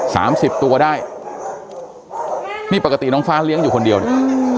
สามสิบตัวก็ได้นี่ปกติน้องฟ้าเลี้ยงอยู่คนเดียวอืม